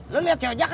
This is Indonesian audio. lo lihat si ojak gak